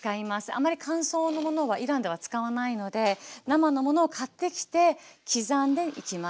あんまり乾燥のものはイランでは使わないので生のものを買ってきて刻んでいきます。